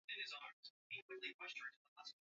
asante sana idrisa na nakutakia siku njema